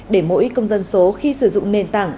để mỗi công dân số khi sử dụng nền tảng